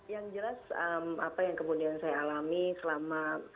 yang jelas apa yang kemudian saya alami selama